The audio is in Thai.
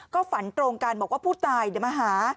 ก็ฝันตรงกันบอกว่าผู้ตายเดี๋ยวมาหา